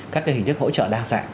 các hình thức hỗ trợ đa dạng